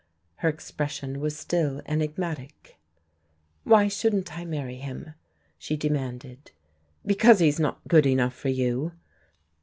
Her expression was still enigmatic. "Why shouldn't I marry him?" she demanded. "Because he's not good enough for you."